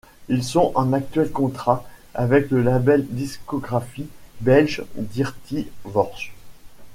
Ils sont en actuel contrat avec le label discographique belge Dirty Workz.